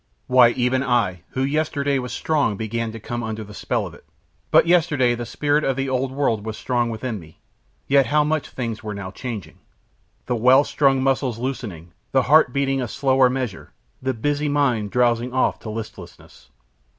Why, even I, who yesterday was strong, began to come under the spell of it. But yesterday the spirit of the old world was still strong within me, yet how much things were now changing. The well strung muscles loosening, the heart beating a slower measure, the busy mind drowsing off to listlessness.